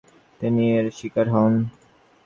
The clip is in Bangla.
তিনি এর শিকার হন।